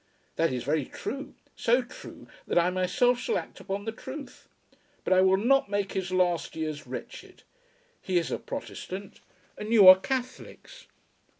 "That is very true; so true that I myself shall act upon the truth. But I will not make his last years wretched. He is a Protestant, and you are Catholics."